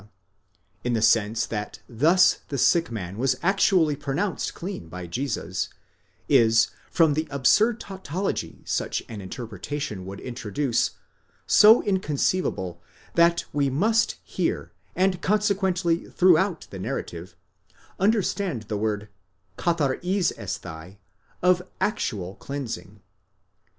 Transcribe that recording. A, in the sense that thus the sick man was actually pronounced clean by Jesus, is, from the absurd tautology such an interpretation would introduce, so in conceivable, that we must here, and consequently throughout the narrative, understand the word καθαρίζεσθαι of actual cleansing.